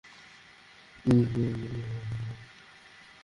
তিনি দেখতে পান, বিচারের আগেই একজন সাক্ষী তাঁর জবানবন্দি প্রত্যাহার করে নিয়েছেন।